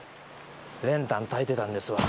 練炭焚いてたんですわ。